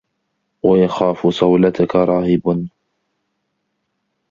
وَيَخَافُ صَوْلَتَك رَاهِبٌ